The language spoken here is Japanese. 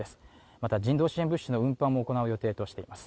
また、人道支援物資の運搬も行う予定としています。